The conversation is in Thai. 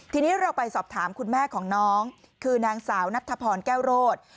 ทีนี้เราไปสอบถามคุณแม่ของน้องคือนางสาวนัทธพรแก้วโรธ